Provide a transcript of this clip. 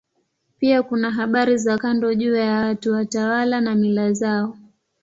Pia kuna habari za kando juu ya watu, watawala na mila zao.